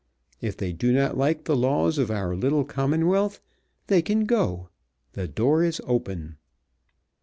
If they do not like the laws of our little Commonwealth, they can go. The door is open!"